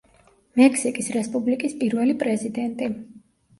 მექსიკის რესპუბლიკის პირველი პრეზიდენტი.